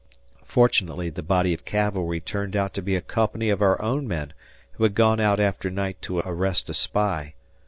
Fortunately the body of cavalry turned out to be a company of our own men who had gone out after night to arrest a spy.